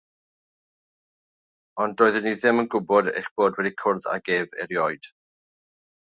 Ond doeddwn i ddim yn gwybod eich bod wedi cwrdd ag ef erioed.